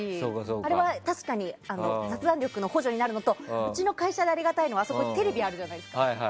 あれは確かに雑談力の補助になるのとうちの会社でありがたいのはそこにテレビがあるじゃないですか。